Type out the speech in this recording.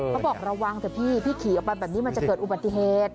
เขาบอกระวังเถอะพี่พี่ขี่ออกไปแบบนี้มันจะเกิดอุบัติเหตุ